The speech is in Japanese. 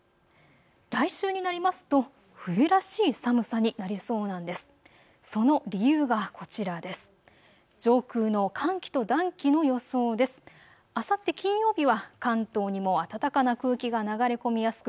来週になりますと冬らしい寒さになりそうなんです。